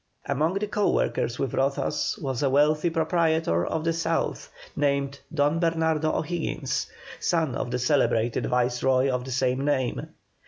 Among the co workers with Rozas was a wealthy proprietor of the South named DON BERNARDO O'HIGGINS, son of the celebrated Viceroy of the same name.